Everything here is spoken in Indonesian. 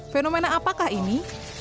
fenomena apakah ini